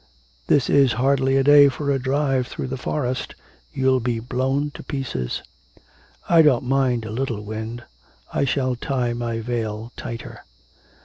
'This is hardly a day for a drive through the forest; you'll be blown to pieces.' 'I don't mind a little wind. I shall tie my veil tighter.'